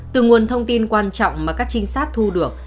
từ nguồn thông tin quan trọng mà các trinh sát thu được